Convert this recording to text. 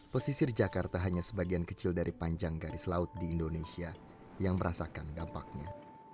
pesisir jakarta hanya sebagian kecil dari panjang garis laut di indonesia yang merasakan dampaknya